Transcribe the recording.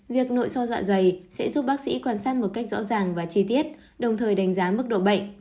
việc nội so dạ dày sẽ giúp bác sĩ quan sát một cách rõ ràng và chi tiết đồng thời đánh giá mức độ bệnh